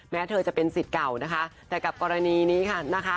แม้เธอจะเป็นสิทธิ์เก่านะคะแต่กับกรณีนี้ค่ะนะคะ